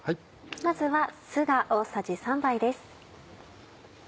まずは酢が大さじ３杯です。